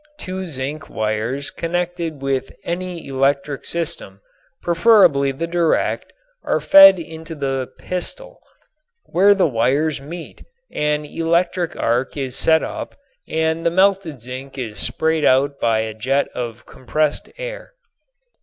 Two zinc wires connected with any electric system, preferably the direct, are fed into the "pistol." Where the wires meet an electric arc is set up and the melted zinc is sprayed out by a jet of compressed air.